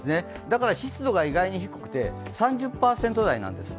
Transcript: だから湿度が意外に低くて、３０％台なんです。